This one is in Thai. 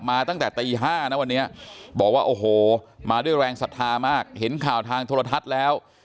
ตั้งแต่ตี๕นะวันนี้บอกว่าโอ้โหมาด้วยแรงศรัทธามากเห็นข่าวทางโทรทัศน์แล้ว